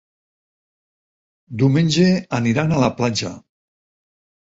Diumenge aniran a la platja.